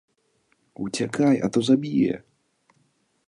Уцякай, а то заб'е!